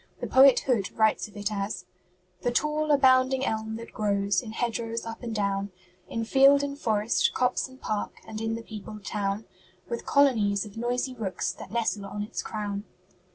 The poet Hood writes of it as "'The tall, abounding elm that grows In hedgerows up and down, In field and forest, copse and park, And in the peopled town, With colonies of noisy rooks That nestle on its crown.'